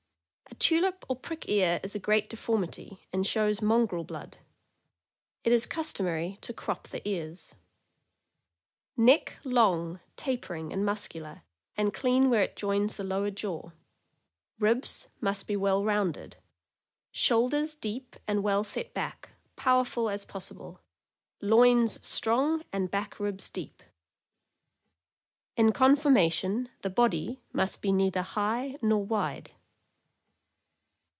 A tulip or prick ear is a great deformity, and shows mongrel blood. It is customary to crop the ears. Neck long, tapering, and muscular, and clean where it joins the lower jaw. Ribs must be well rounded. Shoul ders deep and well set back, powerful as possible; loins strong and back ribs deep. In conformation, the body must be neither high nor wide.